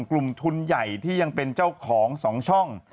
กลุ่มทุนใหญ่ที่ยังเป็นเจ้าของ๒ช่อง